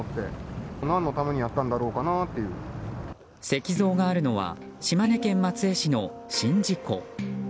石像があるのは島根県松江市の宍道湖。